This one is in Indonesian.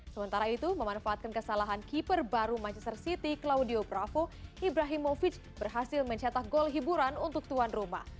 sementara itu memanfaatkan kesalahan keeper baru manchester city claudio pravo ibrahimovic berhasil mencetak gol hiburan untuk tuan rumah